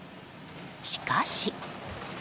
しかし。